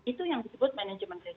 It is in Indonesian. itu yang disebut manajemen risk